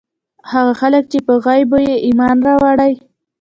هغه خلک چې په غيبو ئې ايمان راوړی